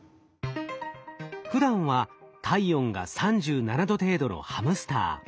ふだんは体温が３７℃程度のハムスター。